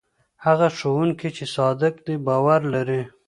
هغه ښوونکی چې صادق دی باور لري.